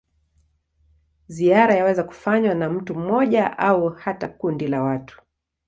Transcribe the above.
Ziara yaweza kufanywa na mtu mmoja au hata kundi la watu.